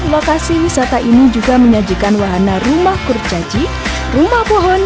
lokasi wisata ini juga menyajikan wahana rumah kurcaci rumah pohon